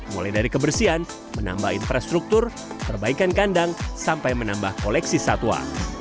mulai dari kebersihan menambah infrastruktur perbaikan kandang sampai menambah koleksi satwa